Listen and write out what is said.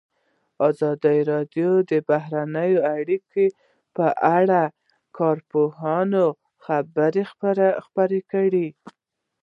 ازادي راډیو د بهرنۍ اړیکې په اړه د کارپوهانو خبرې خپرې کړي.